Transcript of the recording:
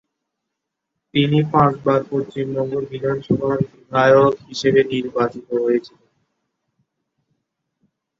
তিনি পাঁচবার পশ্চিমবঙ্গ বিধানসভার বিধায়ক হিসেবে নির্বাচিত হয়েছিলেন।